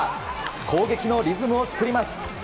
攻撃のリズムを作ります。